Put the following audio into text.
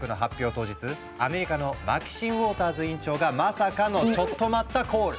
当日アメリカのマキシン・ウォーターズ委員長がまさかのチョット待ったコール！